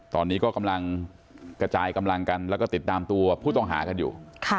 ตอนนี้ก็กำลังกระจายกำลังกันแล้วก็ติดตามตัวผู้ต้องหากันอยู่